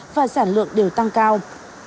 và sản lượng đều tăng trở lại